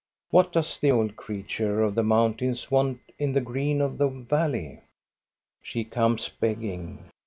What does the old creature of the mountains want in the green of the valley? She comes begging.